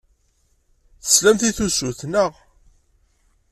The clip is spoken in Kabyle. Teslamt i tusut, naɣ?